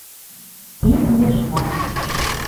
Ик еш гай.